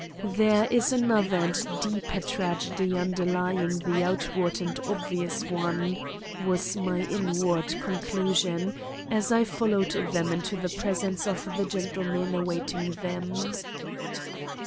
"There is another and a deeper tragedy underlying the outward and obvious one," was my inward conclusion, as I followed them into the presence of the gentlemen awaiting them.